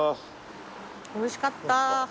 おいしかった。